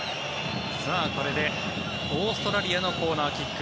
これでオーストラリアのコーナーキック。